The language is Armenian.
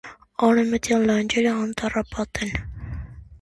Արևմտյան լանջերը անտառապատ են։